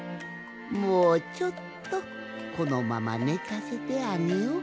もうちょっとこのままねかせてあげようかの。